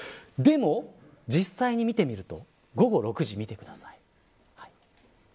でも、実際に見てみると午後６時を見てください。